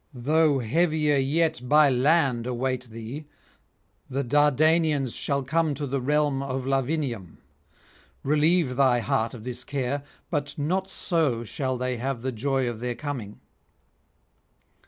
though heavier yet by land await thee, the Dardanians shall come to the realm of Lavinium; relieve thy heart of this care; but not so shall they have joy of their coming.